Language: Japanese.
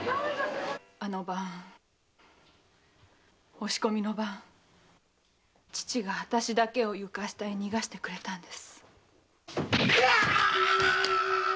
押し込みの晩父があたしだけを床下へ逃がしてくれたんです。